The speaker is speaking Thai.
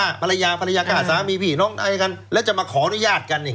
สามีภรรยาภรรยาฆ่าสามีพี่น้องน้องก็ตายให้กันแล้วจะมาขอนุญาตกันอย่างนี้